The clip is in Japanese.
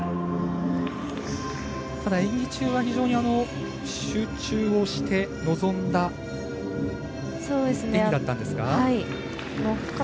ただ演技中は非常に集中をして臨んだ演技だったんですか？